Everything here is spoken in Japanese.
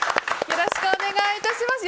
よろしくお願いします。